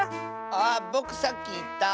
あっぼくさっきいった。